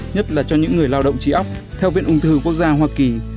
nhất là cho những người lao động trí ốc theo viện ung thư quốc gia hoa kỳ